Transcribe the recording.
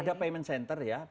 ada payment center ya